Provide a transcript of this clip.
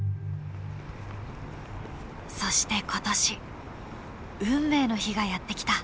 そして今年運命の日がやって来た。